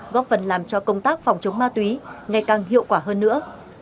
góp phần làm cho công tác phòng chống ma túy ngày càng hiệu quả hơn nữa